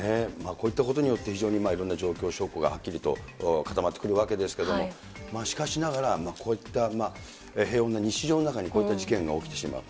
こういったことによって、非常にいろんな状況証拠がはっきりと固まってくるわけですけれども、しかしながら、こういった平穏な日常の中にこういった事件が起きてしまう。